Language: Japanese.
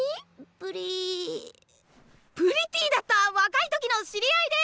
プリプリティーだった若い時の知り合いで。